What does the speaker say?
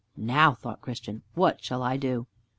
"Now," thought Christian, "what shall I do?"